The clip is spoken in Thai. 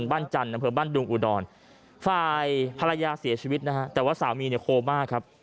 บ้านจันทร์บ้านดุงอุดรฝ่ายภรรยาเสียชีวิตแต่ว่าสามีโคบมากครับ